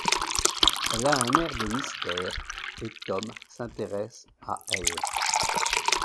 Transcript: Elle a un air de mystère et Tom s'intéresse à elle.